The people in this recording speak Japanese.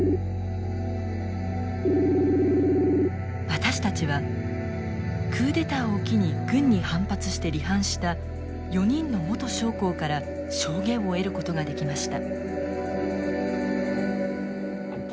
私たちはクーデターを機に軍に反発して離反した４人の元将校から証言を得ることができました。